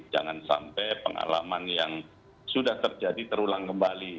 jangan sampai pengalaman yang sudah terjadi terulang kembali